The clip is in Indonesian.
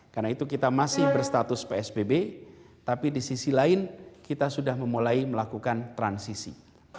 karena itu kita masih berstatus psbb tapi di sisi lain kita sudah memulai melakukan transisi